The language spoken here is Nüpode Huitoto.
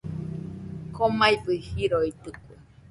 Komaibɨ riroitɨkue.